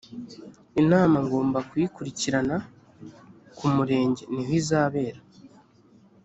inama ngomba kuyikurikirana k’umurenge niho izabera